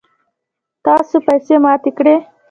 تاسو پیسی ماتی کړئ